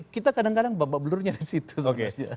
kita kadang kadang babak belurnya di situ sebenarnya